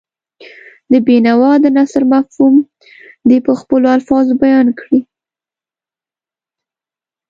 د بېنوا د نثر مفهوم دې په خپلو الفاظو بیان کړي.